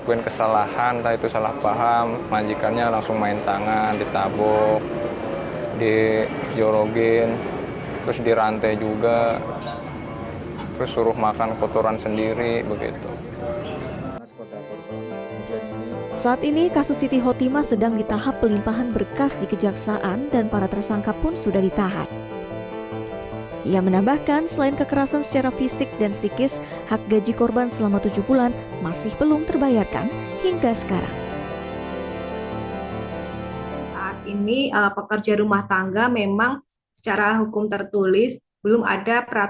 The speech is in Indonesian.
orang tua korban mengatakan tidak menyangka